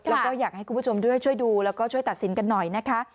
แล้วก็อยากให้คุณผู้ชมด้วยช่วยดูแล้วก็ช่วยตัดสินกันหน่อยนะคะ